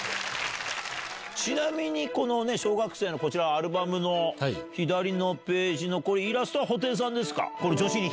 ちなみに小学生のこちらアルバムの左のページのイラストは布袋さんですか？